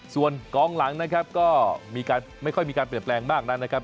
ส่วนกองหลังนะครับก็ไม่ค่อยมีการเปลี่ยนแปลงมากนักนะครับ